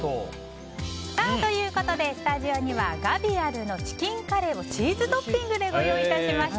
スタジオにはガヴィアルのチキンカレーをチーズトッピングでご用意いたしました。